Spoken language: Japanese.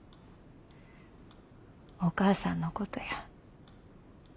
お母さんのことや。